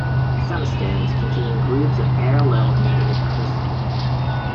Some stones contain groups of parallel negative crystals.